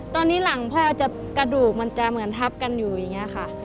ตอนนี้หลังพ่อจะกระดูกมันจะเหมือนทับกันอยู่อย่างนี้ค่ะ